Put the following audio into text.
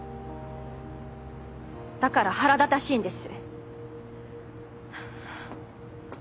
だから腹立たしいんです。